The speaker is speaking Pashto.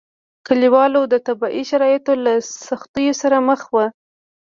کلیوالو د طبیعي شرایطو له سختیو سره مخ وو.